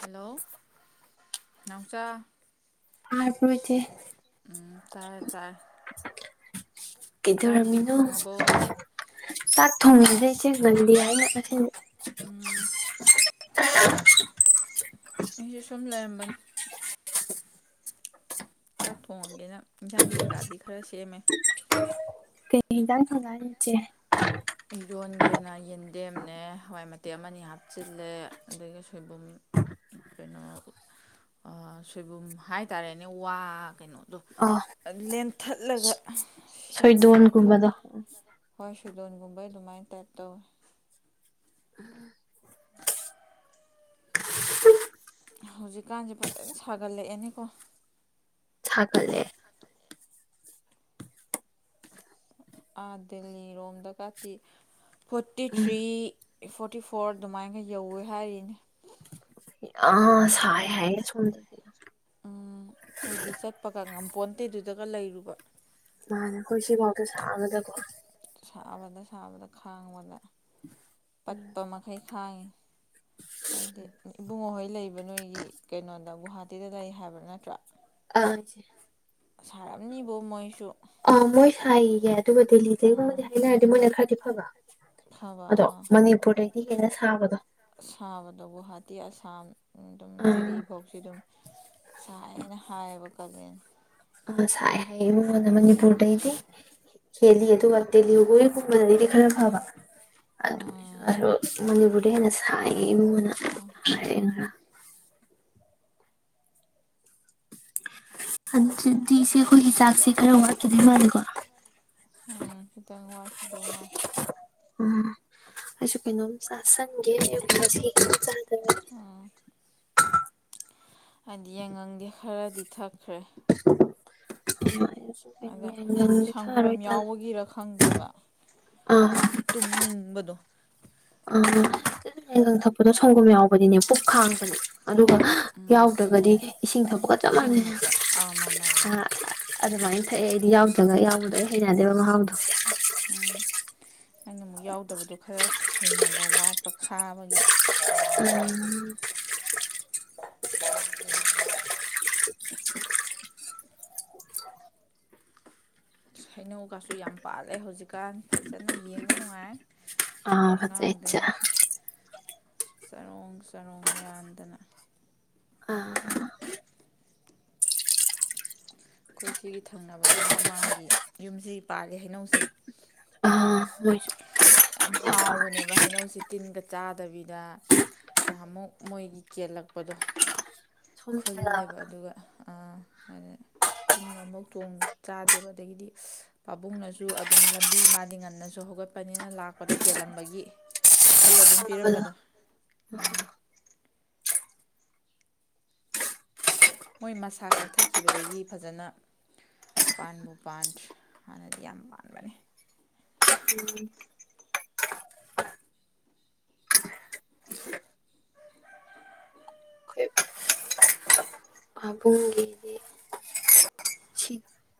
hello ꯅꯥꯎꯆꯥ [unintelligible] ꯎꯝ ꯇꯥꯏꯦ ꯇꯥꯏ ꯀꯩꯗꯧꯔꯝꯃꯤꯅꯣ ꯊꯣꯡꯉꯕꯣ ꯆꯥꯛ ꯊꯣꯡꯕꯗꯩ ꯏꯆꯦ ꯃꯟꯗꯦ ꯍꯥꯏꯅ ꯎꯝ ꯑꯩꯁꯨ ꯁꯨꯝ ꯂꯩꯔꯝꯕꯅꯦ ꯆꯥꯛ ꯊꯣꯡꯉꯒꯦꯅ ꯏꯟꯁꯥꯡ ꯀꯩꯀꯥꯒꯗꯤ ꯈꯔ ꯁꯦꯝꯃꯦ ꯀꯩ ꯏꯟꯁꯥꯡ ꯊꯉꯒꯦ ꯍꯥꯏꯅꯣ ꯏꯆꯦ ꯏꯔꯣꯟꯒꯦꯅ ꯌꯦꯟꯗꯦꯝꯅꯦ ꯍꯋꯥꯏ ꯃꯇꯦꯛ ꯑꯃꯅꯤ ꯍꯥꯞꯆꯤꯜꯂꯦ ꯑꯗꯒꯤ ꯁꯣꯏꯕꯨꯝ ꯀꯩꯅꯣ ꯁꯣꯏꯕꯨꯝ ꯍꯥꯏꯇꯥꯔꯦꯅꯦ ꯋꯥ ꯀꯩꯅꯣ ꯑꯗꯣ ꯂꯦꯟ ꯊꯠꯂꯒ ꯁꯣꯏꯗꯣꯟ ꯒꯨꯝꯕꯗꯣ ꯁꯣꯏꯂꯣꯟꯒꯨꯝ ꯕꯣꯏ ꯃꯥꯏ ꯇꯥꯏ ꯇꯣ ꯍꯧꯖꯤꯛꯀꯥꯟꯁꯦ ꯐꯖꯅ ꯁꯥꯒꯠꯂꯛꯑꯅꯦꯀꯣ ꯁꯒꯠꯂꯦ ꯑꯥ ꯗꯦꯜꯂꯤꯔꯣꯝꯗ ꯀꯥꯇꯤ ꯐꯣꯔꯇꯤ ꯊ꯭ꯔꯤ ꯐꯣꯔꯇꯤ ꯐꯣꯔ ꯑꯗꯨꯃꯥꯏꯅꯒ ꯌꯧꯋꯦ ꯍꯥꯏꯔꯤꯅꯤ ꯑ ꯁꯥꯏ ꯍꯥꯏ ꯁꯦꯝꯗꯗꯤ ꯎꯝ ꯑꯩꯈꯣꯏꯗꯤ ꯆꯠꯄꯒ ꯉꯝꯄꯣꯟꯇꯦ ꯑꯗꯨꯗꯒ ꯂꯩꯔꯨꯕ ꯃꯥꯅꯦ ꯑꯩꯈꯣꯏ ꯁꯤꯐꯥꯎꯗ ꯁꯥꯒꯗꯕ ꯁꯥꯕꯗ ꯁꯥꯕꯗ ꯈꯥꯡꯕꯗ ꯄꯠꯄ ꯃꯈꯩ ꯈꯥꯡꯉꯤ ꯍꯥꯏꯗꯤ ꯏꯕꯨꯡꯉꯣꯍꯣꯏ ꯂꯩꯕ ꯅꯣꯏꯒꯤ ꯀꯩꯅꯣꯗ ꯒꯨꯍꯥꯇꯤꯗ ꯂꯩ ꯍꯥꯏꯕ꯭ꯔꯥ ꯅꯠꯇ꯭ꯔꯥ ꯑ ꯁꯥꯔꯝꯅꯤꯕꯨ ꯃꯣꯏꯁꯨ ꯑ ꯃꯣꯏ ꯁꯥꯏꯌꯦꯗꯤ ꯍꯥꯏꯕꯅꯦ ꯑꯗꯨꯕꯨꯗꯤꯂꯤꯗꯦ ꯎꯝ ꯍꯥꯏꯅ ꯍꯥꯏꯗꯤ ꯃꯣꯏꯅ ꯈꯔꯗꯤ ꯐꯕ [inaudible] ꯑꯗꯣ ꯃꯅꯤꯄꯨꯨꯔꯗꯒꯤ ꯑ ꯀꯦꯅ ꯁꯥꯕꯗꯣ ꯁꯕꯗꯚꯨ ꯍꯥꯇꯤ ꯑꯁꯥꯝ ꯑꯗꯨꯝ ꯖꯤꯔꯤ ꯑꯥ ꯐꯥꯎꯁꯤ ꯑꯗꯨꯝ ꯁꯥꯏꯌꯦ ꯑꯩꯅ ꯍꯥꯏꯕ [inaudible] ꯑ ꯁꯥꯏ ꯍꯥꯏ ꯏꯃꯨꯡꯒꯥꯗꯣ ꯃꯅꯤꯄꯨꯔꯗꯩꯗꯤ ꯍꯦꯜꯂꯤ ꯑꯗꯨꯒ ꯇꯦꯂꯤꯒꯨ ꯒꯨꯝꯕꯅꯗꯒꯤꯗꯤ ꯈꯔ ꯐꯕ ꯎꯝ ꯑꯗꯨ ꯃꯅꯤꯄꯨꯔ ꯌꯥꯝ ꯁꯥꯏꯌꯦ ꯍ [inaudible] ꯑꯗꯨꯗꯤ ꯁꯤ ꯑꯩꯈꯣꯏꯒꯤ ꯆꯥꯛꯁꯦ ꯈꯔ ꯋꯥꯠꯀꯗꯣꯏ ꯃꯥꯂꯦꯀꯣ ꯎꯝ ꯈꯤꯇꯪ ꯋꯥꯠ [inaudible] ꯎꯝꯑꯩꯁꯨ ꯀꯩꯅꯣꯝ ꯆꯁꯟ [inaudible] ꯎꯝ ꯍꯥꯏꯗꯤ ꯌꯥꯏꯉꯪꯗꯤ ꯈꯔꯗꯤ ꯊꯛꯈ꯭ꯔꯦ ꯎ [inaudible] ꯑꯗ ꯁꯪꯒꯣꯝ ꯇꯜꯂꯦ ꯌꯥꯎꯕꯒꯤꯔ ꯈꯪꯗꯦꯕ ꯇꯨꯝꯅꯤꯡꯕꯗꯣ ꯑꯥꯡ ꯊꯛꯄꯗ ꯁꯪꯒꯣꯝ ꯌꯥꯎꯕꯗꯤꯅꯦ ꯄꯨꯛ ꯈꯥꯡꯕꯅꯦ ꯑꯗꯨꯒ ꯌꯥꯎꯗ꯭ꯔꯒꯗꯤ ꯏꯁꯤꯡ ꯊꯛꯄꯒ ꯆꯞ ꯏꯁꯤꯡ ꯃꯥꯟꯅꯩ ꯉꯛꯇ ꯑꯥ ꯃꯥꯟꯅꯕꯗ ꯑꯗꯨꯃꯥꯏꯅ ꯊꯛꯑꯦ ꯑꯩꯗꯤ ꯌꯥꯎꯗꯔꯒ ꯌꯥꯎꯕꯗꯣ ꯑꯩ ꯍꯩꯅꯗꯦꯕ ꯃꯍꯥꯎꯗꯣ ꯎꯝ ꯑꯩꯅ ꯌꯥꯎꯗꯕꯗꯣ ꯈꯔ ꯍꯩꯅꯕ ꯋꯥꯠꯄ ꯈꯥꯕꯒꯤ ꯎꯝ ꯍꯩꯅꯧꯒꯁꯨ ꯌꯥꯝ ꯄꯥꯜꯂꯦ ꯍꯧꯖꯤꯛꯀꯥꯟ ꯐꯖꯅ ꯌꯦꯡꯕ ꯅꯨꯡꯉꯥꯏ ꯊꯣꯡꯅꯥꯎꯗꯩ [inaudible] ꯆꯔꯣꯡ ꯆꯔꯣꯡ ꯌꯥꯟꯗꯅ ꯑꯥ ꯑꯩꯈꯣꯏ ꯁꯤꯒꯤ ꯊꯪꯅꯕꯒꯤ ꯃꯃꯥꯡꯒꯤ ꯌꯨꯝꯁꯤ ꯄꯥꯜꯂꯤ ꯍꯩꯅꯧꯁꯦ ꯑ ꯃꯣꯏꯖꯨ ꯌꯥꯝ ꯍꯥꯎꯕꯅꯦꯕ ꯍꯩꯅꯧꯁꯤ ꯇꯤꯟꯒ ꯆꯥꯗꯕꯤꯗ ꯅꯍꯥꯟ ꯃꯨꯛ ꯃꯣꯏꯒꯤ ꯀꯦꯜꯂꯛꯄꯗꯣ ꯁꯣꯝꯗꯅꯕ ꯈꯨꯜꯂꯦꯕ ꯑꯗꯨꯒ ꯇꯤꯟꯒ ꯑꯃꯨꯛ ꯆꯣꯡ ꯆꯥꯗꯦꯕ ꯑꯗꯒꯤꯗꯤ ꯄꯥꯕꯨꯡꯅꯁꯨ ꯑꯗꯨꯝ ꯂꯝꯕꯤ ꯃꯥꯜꯂꯤ ꯉꯟꯅꯁꯨ ꯍꯧꯒꯠꯄꯅꯤꯅ ꯂꯥꯛꯄꯗ ꯀꯦꯜꯂꯝꯕꯒꯤ ꯈꯨꯜ ꯑꯗꯨꯝ ꯑꯍꯥꯟꯕꯗ ꯄꯤꯔꯝꯕꯗꯣ ꯃꯣꯏ ꯃꯁꯥ ꯀꯛꯊꯠꯈꯤꯕꯗꯒꯤ ꯐꯖꯅ ꯄꯥꯟꯕꯕꯨ ꯄꯥꯟꯗ꯭ꯔꯦ ꯍꯥꯟꯅꯗꯤ ꯌꯥꯝ ꯄꯥꯟꯕꯅꯦ ꯑꯩꯈꯣꯏ ꯄꯥꯕꯨꯡꯒꯤꯗꯤ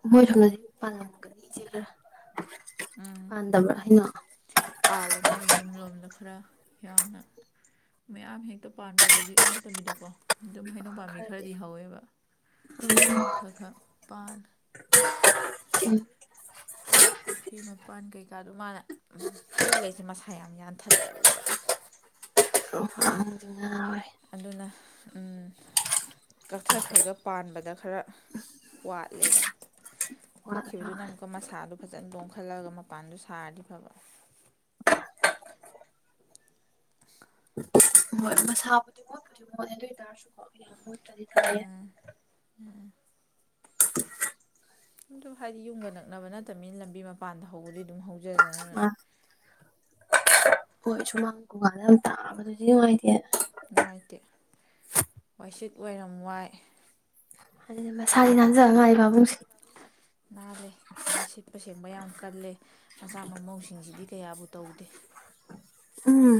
ꯑꯣꯏꯣꯏꯔꯗꯤꯔ ꯎꯝ ꯄꯥꯟꯗꯕ꯭ꯔꯥ ꯍꯥꯏꯅ ꯄꯥꯜꯂꯦ ꯃꯣꯏ ꯌꯨꯝ ꯂꯣꯝꯗ ꯈꯔ ꯌꯥꯝꯅ ꯃꯌꯥꯝ ꯍꯦꯛꯇ ꯄꯥꯟꯕ ꯑꯗꯨꯗꯤ ꯅꯠꯇꯕꯤꯗꯀꯣ ꯑꯗꯨꯝ ꯍꯩꯅꯧ ꯄꯥꯝꯕꯤ ꯈꯔꯗꯤ ꯍꯧꯋꯦꯕ ꯑꯗꯨꯝ ꯈꯔ ꯈꯔ ꯄꯥꯜꯂꯦ ꯄꯨꯈ꯭ꯔꯤ ꯃꯄꯥꯟ ꯀꯩꯀꯥꯗꯣ ꯃꯥꯅ ꯍꯩ ꯂꯩꯁꯦ ꯃꯁꯥ ꯌꯥꯝ ꯌꯥꯟꯊꯠꯀꯜꯂꯦꯕ ꯉꯥꯎꯔꯦ ꯑꯗꯨꯅ ꯎ ꯀꯛꯊꯈ꯭ꯔꯒ ꯄꯥꯟꯕꯗ ꯈꯔ ꯋꯥꯠꯂꯦꯕ ꯀꯛꯈꯤꯕꯗꯨꯅ ꯑꯃꯨꯛꯀ ꯃꯁꯥꯗꯨꯣ ꯐꯖꯅ ꯇꯣꯡꯈꯠꯂꯒ ꯃꯄꯥꯟꯗ ꯁꯥꯔꯗꯤ ꯐꯕ ꯑ ꯍꯣꯏ ꯃꯁꯥꯕꯨꯗꯤ ꯃꯣꯠꯄꯨꯗꯤ ꯃꯣꯠꯂꯦ ꯑꯗꯨ ꯑꯣꯏꯇꯥꯔꯁꯨꯀꯣ ꯌꯥꯝ ꯃꯣꯠ ꯗꯤ ꯈꯔꯔꯤꯦ ꯎꯝ ꯑꯗꯨ ꯍꯥꯏꯗꯤ ꯌꯨꯝꯒ ꯅꯛꯅꯕ ꯅꯠꯇꯕꯅꯤꯅ ꯂꯝꯕꯤ ꯃꯄꯥꯟꯗ ꯍꯧꯕꯗꯤ ꯑꯗꯨꯝ ꯍꯧꯖꯗꯅ ꯃꯥ ꯍꯣꯏ ꯁꯨꯃꯥꯡ ꯨꯒꯥꯜꯗ ꯑꯗꯨꯝ ꯇꯥꯕꯗꯨꯗꯤ ꯅꯨꯡꯉꯥꯏꯇꯦ ꯅꯨꯡꯉꯥꯏꯇꯦ ꯋꯥꯏꯁꯤꯠ ꯑꯣꯏꯔꯝ ꯋꯥꯏ ꯑꯗꯨ ꯁꯥ ꯅꯥꯅꯖꯉꯕꯨꯡꯁꯤ ꯅꯥꯜꯂꯦ ꯃꯥ ꯁꯤꯠꯄ ꯁꯦꯡꯕ ꯌꯥꯝ ꯀꯜꯂꯦ ꯃꯆꯥ ꯃꯎꯁꯤꯡꯁꯤꯗꯤ ꯀꯌꯥꯕꯨ ꯇꯧꯗꯦ ꯎꯝ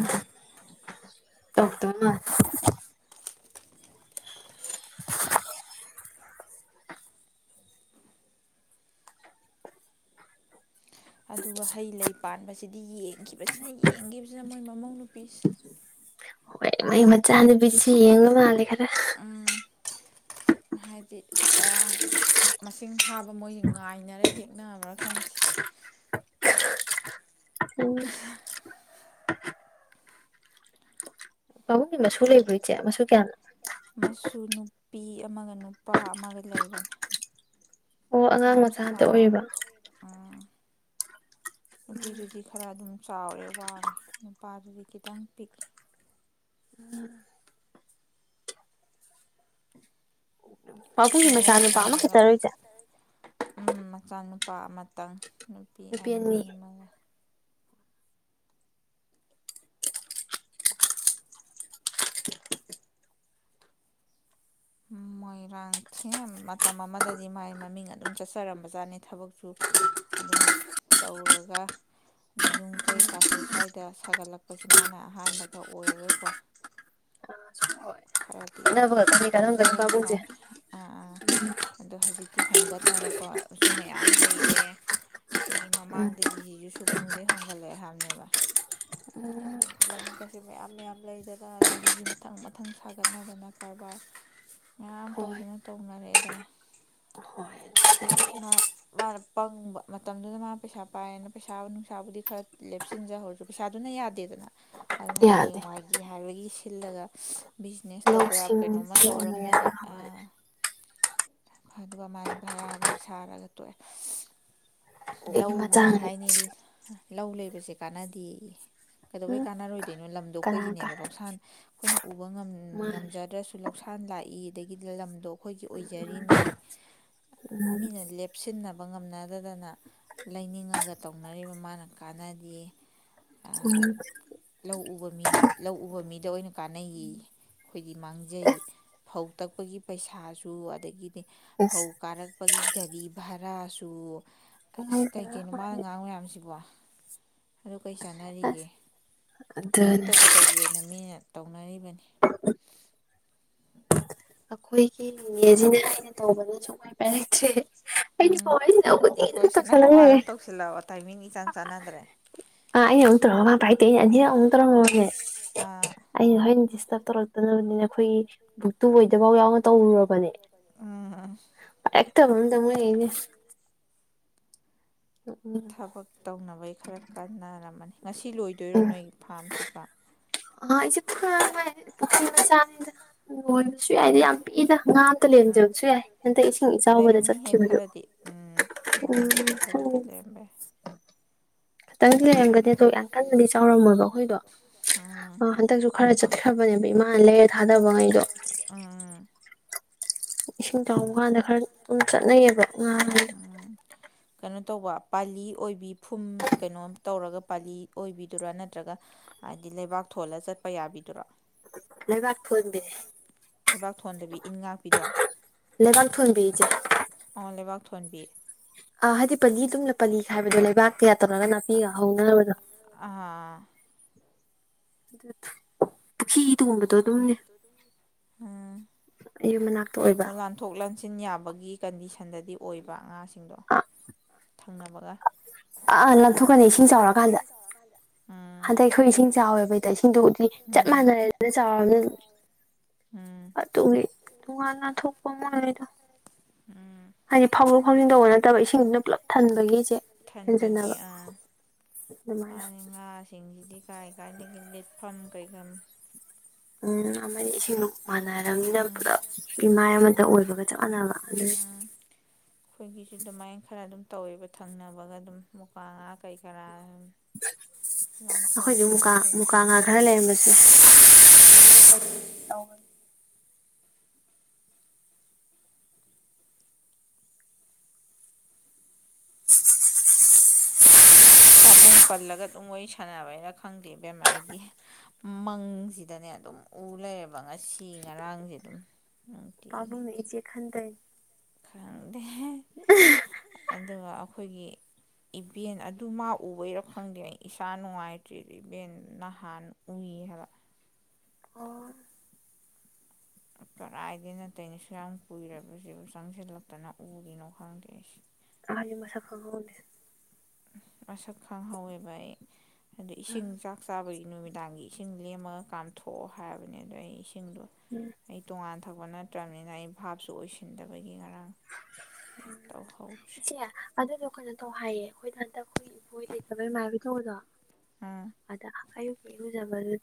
ꯇꯧꯔꯛꯇꯕ ꯃꯥꯜꯂꯦ ꯑꯗꯨꯒ ꯍꯩ ꯂꯩ ꯄꯥꯟꯕꯁꯤꯗꯤ ꯌꯦꯡꯈꯤꯕꯁꯤꯅ ꯌꯦꯡꯈꯤꯕꯁꯤꯅ ꯃꯣꯏ ꯃꯃꯧ ꯅꯨꯨꯄꯤꯁꯦ ꯃ ꯃ ꯆꯆꯥꯥꯟꯅꯤ ꯄꯁꯤ ꯌꯦꯉ ꯃꯥꯦ ꯈꯔꯦ ꯎꯝ ꯍꯥꯏꯗꯤ ꯃꯁꯤꯡ ꯐꯥꯕ ꯃꯣꯏꯁ ꯉꯥꯏꯅꯔꯦ ꯍꯦꯛꯅꯕ꯭ꯔꯥ ꯈꯪꯗꯦ ꯎꯝ [inaudible] ꯀꯕꯨ ꯃꯁꯨ ꯂꯩꯕꯣꯏ ꯆꯦ ꯃꯁꯨ ꯀꯌꯥꯅ ꯃꯁꯨ ꯅꯨꯄꯤ ꯑꯃꯒ ꯅꯨꯄꯥ ꯑꯃꯒ ꯂꯩꯕꯅꯤ ꯑꯣ ꯑꯉꯥꯡ ꯌꯥꯝ ꯃꯆꯥ ꯉꯥꯛꯇ ꯆꯥꯎꯥꯎ ꯑꯣꯏꯔꯤꯕ꯭ꯔꯣ ꯑ ꯅꯨꯄꯤꯗꯨꯗꯤ ꯈꯔ ꯑꯗꯨꯝ ꯆꯥꯎꯔꯦ ꯋꯥꯡꯉꯦ ꯅꯨꯄꯥꯗꯨꯗꯤ ꯈꯤꯇꯪ ꯄꯤꯛꯏꯦ ꯄꯥꯕꯨꯡꯒꯤ ꯃꯆꯥ ꯉꯧꯔꯣꯛ ꯅꯨꯨꯄꯥ ꯉꯧꯔꯒ ꯑꯃꯈꯛꯇꯔꯣꯏꯁꯦ ꯎꯝ ꯃꯆꯥꯅꯨꯄꯥ ꯑꯃꯇꯪ ꯅꯨꯄꯤ ꯑꯅꯤ ꯑꯃꯒ ꯃꯣꯏꯔꯥꯡ ꯊꯦꯝ ꯃꯇꯝ ꯑꯃꯗꯗꯤ ꯃꯥꯏ ꯃꯃꯤꯡ ꯑꯗꯨꯝ ꯆꯠꯆꯔꯝꯕꯖꯥꯠꯅꯤ ꯊꯕꯛꯁꯨ ꯑꯗꯨꯝ ꯇꯧꯔꯒ ꯑꯗꯩ ꯌꯨꯝ ꯀꯩꯀꯥꯁꯦ ꯁ꯭ꯋꯥꯏꯗ ꯁꯥꯒꯠꯂꯛꯄꯁꯦ ꯃꯥꯅ ꯑꯍꯥꯟꯕꯒ ꯑꯣꯏꯔꯒꯀꯣ ꯈꯔꯗꯤ ꯑꯗꯨꯝ ꯈꯠꯅꯕꯒ ꯀꯔꯤ ꯀꯥꯟꯅꯔꯝꯒꯅꯤ ꯄꯥꯕꯨꯡꯁꯦ ꯇꯧꯖꯔꯝꯕꯖꯥꯠꯅꯤ ꯑ ꯑꯗꯣ ꯍꯧꯖꯤꯛꯇꯤ ꯍꯣꯡꯒꯠꯅꯔꯛꯄꯁꯨ ꯃꯌꯥꯝ ꯂꯩꯔꯦ ꯁꯤꯒꯤ ꯎꯝ ꯃꯃꯥꯡꯗꯒꯤꯁꯤꯁꯨ ꯁꯨꯒꯨꯅꯨꯗꯩ ꯍꯣꯡꯒꯠꯂꯛꯑꯦ ꯍꯥꯏꯕꯅꯦꯕ ꯑꯗꯨꯝ ꯂꯝꯒꯁꯦ ꯃꯌꯥꯝ ꯃꯌꯥꯝ ꯂꯩꯗꯅ ꯑꯗꯒꯤꯗꯤ ꯃꯊꯪ ꯃꯊꯪ ꯁꯥꯒꯠꯅꯗꯅ ꯀꯔꯕꯥꯔ ꯃꯌꯥꯝ ꯍꯣꯏ ꯇꯧꯗꯅ ꯇꯧꯅꯔꯛꯑꯦꯗꯅ ꯍꯣꯏ ꯑꯗꯨꯗꯒꯤ ꯃꯥ ꯃꯥꯅ ꯄꯪꯕ ꯃꯇꯝꯗꯨꯅ ꯃꯥꯅ ꯄꯩꯁꯥ ꯄꯥꯏꯌꯦꯅ ꯄꯩꯁꯥ ꯅꯨꯡꯁꯥꯕꯨꯗꯤ ꯈꯔ ꯂꯦꯞꯁꯤꯟꯖꯍꯧꯔꯁꯨ ꯄꯩꯁꯥꯗꯨꯅ ꯌꯥꯗꯦꯗꯅ ꯑꯗꯨ ꯌꯥꯗꯦ ꯍꯌꯦꯡꯋꯥꯏꯒꯤ ꯍꯥꯏꯕꯒꯤ ꯁꯤꯜꯂꯒ ꯕꯤꯖꯤꯅꯦꯁ ꯇꯧꯕ ꯌꯥꯕ ꯂꯧꯁꯤꯡ ꯀꯩꯅꯣꯝꯃ ꯄꯣꯛꯑꯒ ꯇꯧꯔꯝꯃꯗꯤ ꯌꯥꯗꯦ [unintelligible] ꯍꯣꯏ ꯑꯗꯨꯒ ꯃꯥꯅ ꯚꯔꯥꯒ ꯁꯥꯔꯒ ꯇꯣꯛꯑꯦ ꯑꯗꯒꯤ ꯂꯧ ꯃꯥ ꯃꯆꯥꯅꯤ ꯍꯥꯏꯅꯦ ꯂꯧ ꯂꯩꯕꯁꯦ ꯀꯥꯟꯅꯗꯦꯌꯦ ꯀꯩꯗꯧꯕꯩ ꯎꯝ ꯀꯥꯟꯅꯔꯣꯏ ꯀꯩꯅꯣ ꯂꯝꯗꯣ ꯀꯅꯥ ꯑꯩꯈꯣꯏꯒꯤꯅꯦꯕ ꯀꯅꯥ ꯂꯧꯁꯥꯟ ꯑꯩꯈꯣꯏꯅ ꯎꯕ ꯉꯝ ꯃꯥꯅꯦ ꯉꯝꯖꯗ꯭ꯔꯁꯨ ꯂꯧꯁꯥꯟ ꯂꯥꯛꯏ ꯑꯗꯒꯤ ꯂꯝꯗꯣ ꯑꯩꯈꯣꯏꯒꯤ ꯑꯣꯏꯖꯔꯤ ꯃꯤ ꯃꯤ ꯃꯤꯅ ꯂꯦꯞꯁꯤꯟꯅꯕ ꯉꯝꯅꯗꯗꯅ ꯂꯩꯅꯤꯡꯉꯒ ꯇꯧꯅꯔꯤꯕ ꯃꯥꯅ ꯀꯥꯟꯅꯗꯦ ꯎꯝ ꯂꯧ ꯎꯕ ꯃꯤ ꯂꯧ ꯎꯕ ꯃꯤꯗ ꯑꯣꯏꯅ ꯀꯥꯟꯅꯩꯌꯦꯌꯦ ꯑꯩꯈꯣꯏꯗꯤ ꯃꯥꯡꯖꯩ ꯐꯧ ꯇꯛꯄꯒꯤ ꯄꯩꯁꯥꯁꯨ ꯑꯗ [unintelligible] ꯐꯧ ꯑꯁ ꯀꯥꯔꯛꯄꯒꯤ ꯒꯥꯔꯤ ꯚꯔꯥꯁꯨ ꯑꯁ ꯀꯩ ꯅꯨꯡꯉꯥꯏꯖꯔ ꯀꯩꯅꯣ ꯃꯥꯜꯂꯦ ꯃꯥꯅꯉꯥꯡ ꯃꯌꯥꯝꯁꯤꯕꯣ ꯑꯗꯨ ꯀꯩ ꯆꯥꯟꯅꯔꯤꯒꯦ ꯑꯁ ꯑꯗꯨꯨ ꯑꯗꯨꯅ ꯇꯕꯨ ꯇꯧꯒꯦ ꯃꯤꯅ ꯇꯧꯅꯔꯤꯕꯅꯤ ꯑꯩꯈꯣꯏꯒꯤ ꯅꯤꯅꯦꯁꯤꯅ ꯑꯩꯅ ꯇꯧꯕꯅ ꯁꯨꯡꯄꯥꯏ ꯄꯥꯏꯔꯛꯇ꯭ꯔꯦ ꯑꯩꯅ ꯎꯝ ꯁꯨꯃꯥꯏꯅ ꯁꯤꯗ ꯈꯨꯗꯤꯡꯒꯤ ꯋꯥꯔꯤ ꯑꯗꯨꯝ ꯁꯥꯟꯅꯒ ꯇꯧꯁꯜꯂꯒ ꯃꯥꯅ ꯂꯩꯔꯦ ꯑꯗꯨꯝ ꯇꯧꯁꯤꯜꯂꯕ ꯇꯥꯏꯃꯤꯡ ꯏꯆꯥꯟ ꯆꯥꯟꯅꯗ꯭ꯔꯦ ꯑꯥ ꯑꯩꯅ ꯑꯃꯨꯛ ꯇꯧꯔꯒ ꯃꯥꯅ ꯄꯥꯏꯔꯛꯇꯦ ꯑꯩꯅ ꯑꯅꯤꯔꯛ ꯑꯃꯨꯛ ꯇꯧꯔꯝꯃꯃꯦ ꯑꯥ ꯑꯩ [unintelligible] [inaudible] ꯇꯧꯔꯛꯇꯅꯕꯅꯤꯅ ꯑꯩꯈꯣꯏꯒꯤ ꯕꯨꯛꯇꯨ ꯑꯣꯏꯗ [unintelligible] ꯅ ꯇꯧꯔꯨꯔꯕꯅꯦ ꯎꯝ ꯎꯝ ꯄꯥꯏꯔꯛꯇꯕ [unintelligible] ꯎꯝ ꯊꯕꯛ ꯇꯧꯅꯕꯩ ꯈꯔ ꯀꯥꯟꯅꯔꯝꯃꯅꯤ ꯉꯁꯤ ꯂꯣꯏꯗꯣꯏꯔꯣ ꯅꯣꯏꯒꯤ ꯐꯥꯝꯁꯤꯠꯄ ꯑꯥ ꯑꯩꯁꯤ [inaudible] ꯄꯨꯈ꯭ꯔꯤ ꯃꯆꯥꯅꯤꯗ [unintelligible] ꯑꯥ ꯌꯥꯝ ꯄꯤꯛꯏꯗ ꯉꯥ ꯑꯝꯇ ꯎꯝ ꯂꯩꯔꯝꯗꯕꯁꯨ ꯌꯥꯏ ꯍꯟꯗꯛ ꯏꯁꯤꯡ ꯏꯆꯥꯎꯕꯗ ꯂꯩꯔꯝꯅꯤꯍꯦ ꯆꯠꯈꯤꯕꯗꯨ ꯈꯔꯗꯤ ꯎꯝ ꯌꯥꯝꯗ꯭ꯔꯁꯨ ꯈꯔꯗꯤ ꯎꯝ ꯂꯩꯔꯝꯕ ꯌꯥꯏ ꯈꯇꯪ ꯂꯩꯗꯤ ꯂꯩꯔꯝꯒꯅꯤ ꯑꯗꯣ ꯌꯥꯝ ꯀꯟꯅꯗꯤ ꯆꯥꯎꯔꯝꯃꯣꯏꯕ ꯑꯩꯈꯣꯏꯗꯣ ꯎꯝ ꯍꯟꯗꯛꯁꯨ ꯈꯔ ꯆꯠꯈ꯭ꯔꯕꯅꯦꯕ ꯏꯃꯥꯅ ꯂꯩꯔ ꯊꯥꯗꯕꯉꯩꯗꯣ ꯎꯝ ꯏꯁꯤꯡ ꯆꯥꯎꯕ ꯀꯥꯟꯗ ꯈꯔ ꯑꯗꯨꯝ ꯆꯠꯅꯩꯌꯦꯕ ꯉꯥ ꯗꯣ ꯀꯩꯅꯣ ꯇꯧꯕ ꯄꯥꯂꯤ ꯑꯣꯏꯕꯤ ꯐꯨꯝ ꯀꯩꯅꯣꯝ ꯇꯧꯔꯒ ꯄꯥꯂꯤ ꯑꯣꯏꯕꯤꯗꯨꯔ ꯅꯠꯇ꯭ꯔꯒ ꯍꯥꯏꯗꯤ ꯂꯩꯕꯥꯛ ꯊꯣꯜꯂ ꯆꯠꯄ ꯌꯥꯕꯤꯗꯨꯔꯣ ꯂꯩꯕꯥꯛ ꯊꯣꯟꯕꯤꯅꯦ ꯂꯩꯕꯥꯛ ꯊꯣꯟꯗꯕꯤ ꯏꯟ ꯉꯥꯛꯄꯤꯗꯣ ꯂꯩꯕꯥꯛ ꯊꯣꯟꯕꯤ ꯏꯆꯦ ꯑꯣ ꯂꯩꯕꯥꯛ ꯊꯣꯟꯕꯤ ꯍꯥꯏꯗꯤ ꯄꯜꯂꯤ ꯄꯂꯤ ꯑꯗꯨꯝꯅ ꯈꯥꯏꯕꯗꯣ ꯄꯜꯂꯤ ꯈꯥꯏꯕꯗꯣ ꯂꯩꯕꯥꯛ ꯀꯌꯥ ꯅꯥꯄꯤꯒ ꯇꯧꯔꯒ ꯅꯥꯄꯤ ꯍꯧꯅꯕꯗꯣ ꯍꯧꯔꯒ ꯑꯥ ꯄꯨꯈꯤ ꯇꯣꯡꯕꯗꯣ ꯑꯗꯨꯝꯅꯦ ꯎꯝ ꯑꯌꯨ ꯃꯅꯥ ꯑꯣ ꯂꯥꯟꯊꯣꯛꯂ ꯍꯥꯟꯁꯤꯟ ꯌꯥꯕꯒꯤ ꯀꯟꯗꯤꯁꯟꯗꯗꯤ ꯑꯣꯏꯕ ꯉꯥꯁꯤꯡ ꯇꯤꯡꯗ ꯊꯪꯅꯕꯒ ꯑ ꯥꯊꯣꯛꯀꯅꯤ ꯏꯁꯤꯡ ꯆꯥꯎꯔꯀꯥꯟꯗ ꯎꯝ ꯍꯟꯗꯛ ꯑꯩꯈꯣꯏ ꯏꯁꯤꯡ ꯆꯥꯎꯋꯦꯕꯩꯗ ꯏꯁꯤꯡꯗꯨꯗꯤ ꯆꯞ ꯃꯥꯟꯅꯔꯦꯗꯅ ꯆꯥꯎꯔꯕꯅꯤ ꯎꯝ ꯑꯗꯨꯒꯤ ꯇꯣꯉꯥꯟꯅ ꯊꯣꯛꯄ ꯑꯃ ꯑꯣꯏꯣꯏꯗꯣ ꯎꯝ ꯍꯥꯏꯗꯤ ꯐꯥꯎꯗꯣꯛ ꯐꯥꯎꯖꯤꯟ ꯇꯧꯕ ꯅꯠꯇ꯭ꯔꯕ ꯏꯁꯤꯡꯗꯨꯅ ꯄꯨꯜꯂꯞ ꯊꯟꯕꯒꯤꯁꯦ ꯍꯦꯟꯖꯤꯟꯅꯕ ꯃꯥꯅꯤ ꯉꯥꯁꯤꯡꯁꯤꯗꯤ ꯀꯥꯏ ꯀꯥꯏꯗꯒꯤ ꯃ ꯐꯝ ꯀꯩꯒꯝ ꯎꯝ ꯁꯤꯂ ꯃꯥꯟꯅꯔꯕꯅꯤꯅ ꯄꯨꯂꯞ ꯏꯃꯥꯏ ꯑꯃꯇ ꯑꯣꯏꯕꯒ ꯆꯞ ꯃꯥꯟꯅꯕ ꯑꯗꯨ ꯎꯝ ꯑꯩꯈꯣꯏꯒꯤꯁꯨ ꯑꯗꯨꯃꯥꯏꯅ ꯈꯔ ꯑꯗꯨꯝ ꯇꯧꯋꯦꯕ ꯊꯪꯅꯕꯒ ꯑꯗꯨꯝ ꯃꯨꯄꯥ ꯉꯥ ꯀꯩ ꯀꯔꯥ ꯂꯥꯟꯊꯣꯛ ꯑꯩꯈꯣꯏꯁꯨ ꯃꯨꯀꯥ ꯂꯥꯟꯁꯤꯟ ꯃꯨꯀꯥ ꯉꯥ ꯈꯔ ꯂꯩꯔꯝꯕꯁꯦ ꯂꯩꯔꯝꯕꯁꯦ ꯎꯝ ꯄꯥꯕꯨꯡ ꯄꯜꯂꯒ ꯑꯗꯨꯝ ꯋꯥꯔꯤ ꯁꯥꯟꯅꯕꯩꯅ ꯈꯪꯗꯦꯕꯦꯝ ꯑꯩꯗꯤ ꯃꯪꯁꯤꯗꯅꯦ ꯑꯗꯨꯝ ꯎ ꯂꯩꯌꯦꯦꯕ ꯉꯁꯤ ꯉꯔꯥꯡꯁꯦ ꯑꯗꯨꯝ ꯑ ꯊ ꯈꯟꯗꯩ ꯈꯥꯔ ꯑꯗꯨꯒ ꯑꯩꯈꯣꯏꯒꯤ ꯏꯚꯦꯟ ꯑꯗꯨ ꯃꯥ ꯎꯕꯩꯔꯣ ꯈꯪꯗꯦ ꯑꯩ ꯏꯁꯥ ꯅꯨꯡꯉꯥꯏꯇ꯭ꯔꯔꯤꯗ ꯏꯕꯦꯟ ꯅꯍꯥꯟ ꯎꯏ ꯍꯥꯏꯕ ꯑꯣ ꯀꯗꯥꯏꯗ ꯅꯠꯇꯩꯅ ꯁ ꯌꯥꯝ ꯀꯨꯏꯁꯤꯕꯨ ꯆꯪꯁꯤꯜꯂꯛꯇꯅ ꯎꯔꯤꯅꯣ ꯈꯪꯗꯦ ꯑꯩꯁꯦ ꯀꯥꯔꯤ ꯃꯁ ꯐꯅꯕꯗ ꯑꯁꯛ ꯈꯥꯡ ꯍꯥꯎꯏꯕ ꯑꯗ ꯏꯁꯤꯡ ꯆꯥꯛ ꯆꯥꯕꯒꯤ ꯅꯨꯃꯤꯗꯥꯡꯒꯤ ꯏꯁꯤꯡ ꯂꯦꯝꯃꯒ ꯀꯥꯝꯊꯣꯛꯑꯣ ꯍꯥꯏꯔꯕꯅꯤ ꯑꯗꯣ ꯑꯩ ꯏꯁꯤꯡꯗꯣ ꯑꯩ ꯇꯣꯉꯥꯟ ꯊꯛꯄ ꯅꯠꯇ꯭ꯔꯕꯅꯤꯅ ꯑꯩ ꯚꯥꯞꯁꯨ ꯑꯣꯏꯁꯤꯟꯗꯕꯒꯤ ꯉꯔꯥꯡ ꯑꯃ ꯇꯧꯍꯧꯗ꯭ꯔꯦ ꯏꯆꯦ ꯑꯗꯨꯗꯣ ꯀꯩꯅꯣ ꯇꯧ ꯍꯥꯏꯌꯦ ꯑꯩꯈꯣꯏꯗ ꯍꯟꯗꯛ ꯑꯩꯈꯣꯏ ꯏꯕꯣꯏ ꯂꯩꯇꯕꯩꯃꯥꯏꯕꯩ ꯇꯧꯕꯗꯣ ꯎꯝ ꯑꯗ ꯑꯌꯨꯛ ꯌꯦꯨꯖꯕꯗꯨ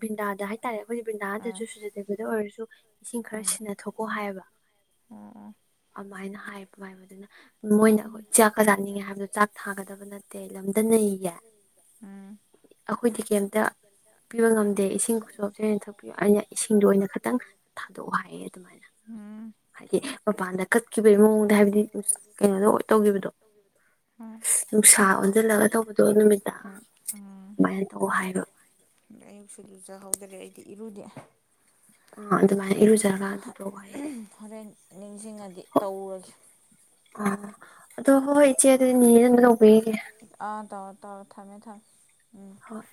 ꯚꯟꯗꯥꯗ ꯍꯥꯏꯇꯥꯔꯦ ꯑꯩꯈꯣꯏꯖꯤ ꯎꯝ ꯕꯤꯟꯅꯥꯗꯁꯨ ꯁꯨꯖꯗꯕꯗ ꯑꯣꯏꯔꯁꯨ ꯏꯁꯤꯡ ꯈꯔ ꯁꯤꯟꯅꯊꯣꯛꯀꯣ ꯍꯥꯏꯌꯦꯕ ꯑꯗꯨꯃꯥꯏꯅ ꯍꯥꯏꯕ ꯍꯥꯏꯕꯗꯨꯅ ꯃꯣꯏꯅ ꯑꯩꯈꯣꯏ ꯆꯥꯛꯀ ꯆꯥꯅꯤꯡꯉꯦ ꯍꯥꯏꯕꯗꯣ ꯆꯥꯛ ꯊꯥꯒꯗꯕ ꯅꯠꯇꯦ ꯂꯝꯗ ꯅꯩꯌꯦ ꯎꯝ ꯑꯩꯈꯣꯏꯗꯤ ꯀꯩꯝꯇ ꯄꯤꯕ ꯉꯝꯗꯦ ꯏꯁꯤꯡ ꯈꯨꯠꯁꯨ ꯍꯥꯞꯁꯨ ꯑꯣꯏꯅ ꯊꯛꯄꯤꯌꯨ ꯑꯩꯅ ꯏꯁꯤꯡꯗꯣ ꯑꯣꯏꯅ ꯈꯤꯇꯪ ꯊꯥꯗꯣꯛꯑꯣ ꯍꯥꯏꯌꯦ ꯑꯗꯨꯃꯥꯏꯅ ꯎꯝ ꯍꯥꯏꯗꯤ ꯃꯄꯥꯟꯗ ꯀꯠꯈꯤꯕꯒꯤ ꯃꯑꯣꯡꯗ ꯍꯥꯏꯕꯗꯤ ꯀꯩꯅꯣ ꯇꯧꯈꯤꯕꯗꯣ ꯍꯣꯏ ꯅꯨꯡꯁꯥ ꯑꯣꯟꯁꯤꯜꯂꯒ ꯇꯧꯕꯗꯣ ꯅꯨꯃꯤꯠꯇ ꯑꯗꯨꯃꯥꯏꯅ ꯇꯧ ꯍꯥꯏꯕ ꯑꯌꯨꯛꯁꯨ ꯂꯨꯖꯍꯧꯗ꯭ꯔꯦ ꯑꯩꯗꯤ ꯏꯔꯨꯗꯦ ꯑ ꯑꯗꯨ ꯍꯣꯔꯦꯟ ꯅꯤꯡꯁꯤꯡꯉꯗꯤ ꯇꯧꯔꯁꯤꯦ ꯑ ꯑꯗꯣ ꯍꯣꯏ ꯆꯦ ꯑꯗꯨꯗꯤ ꯅꯧꯕꯤꯒꯤꯒꯦ ꯑꯥ ꯇꯧꯔꯣ ꯇꯧꯔꯣ ꯊꯝꯃꯦ ꯊꯝꯃꯦ ꯎꯝ ꯍꯣꯏ